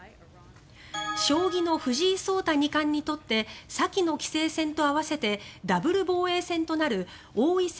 将棋の藤井聡太二冠にとって先の棋聖戦と合わせてダブル防衛戦となる王位戦